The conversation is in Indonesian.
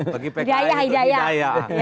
bagi pks itu hidayah